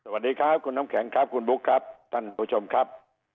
สวัสดีครับคุณน้ำแข็งครับคุณบุ๊คครับท่านผู้ชมครับ